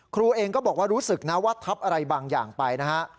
ครูเองก็บอกว่ารู้สึกนะว่าทับอะไรบางอย่างไปนะฮะ